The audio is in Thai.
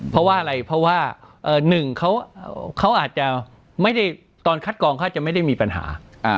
เพราะว่าอะไรเพราะว่าหนึ่งเขาอาจจะไม่ได้ตอนคัดกรองเขาจะไม่ได้มีปัญหา